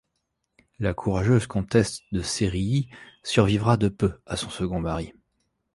La courageuse comtesse de Sérilly survivra de peu à son second mari.